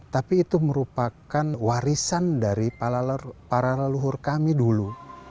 tapi itu merupakan warisan dari para leluhur kami dulu